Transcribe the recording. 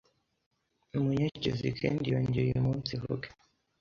Munyekezi kendi yongeye umunsivuge